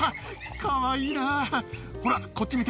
かわいいな。